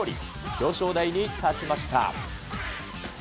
表彰台に立ちました。